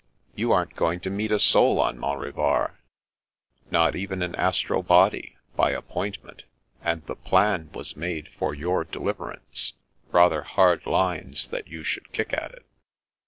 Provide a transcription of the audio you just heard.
You aren't going to meet a soul on Mont Revard?" " Not even an astral body — ^by appointment. And the plan was made for your deliverance. Rather hard lines that you should kick at it."